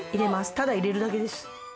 ただ入れるだけです。